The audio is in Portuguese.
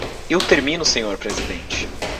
Eu termino, senhor presidente.